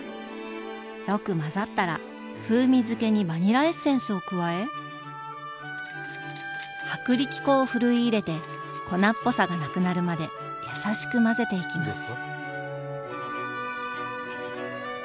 よく混ざったら風味づけにバニラエッセンスを加え薄力粉をふるい入れて粉っぽさがなくなるまで優しく混ぜていきます。